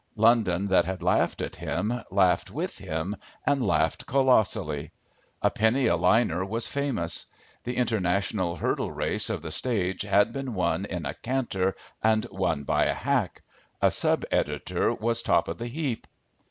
London that had laughed at him, laughed with him and laughed colossally. A penny a liner was famous. The international hurdle race of the stage had been won in a canter and won by a hack. A sub editor was top of the heap.